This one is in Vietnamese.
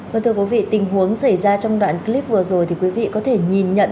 vâng thưa quý vị tình huống xảy ra trong đoạn clip vừa rồi thì quý vị có thể nhìn nhận